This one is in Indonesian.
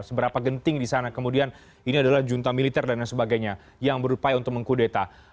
seberapa genting di sana kemudian ini adalah junta militer dan lain sebagainya yang berupaya untuk mengkudeta